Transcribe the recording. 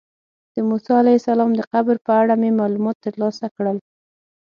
د موسی علیه السلام د قبر په اړه مې معلومات ترلاسه کړل.